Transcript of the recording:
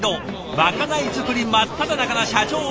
まかない作り真っただ中な社長さんから。